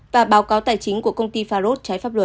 và báo cáo tài chính của công ty farod trái pháp luật